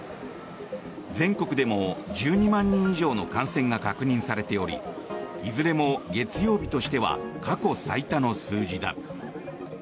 全国でも１２万人以上の感染が確認されておりいずれも月曜日としては過去最多の数字だ。